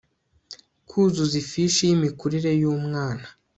kuzuza ifishi y'imikurire y'umwana